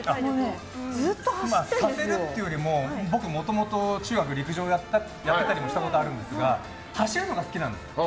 させるっていうよりも僕、もともと中学陸上やってたこともあるんですが走るのが好きなんです。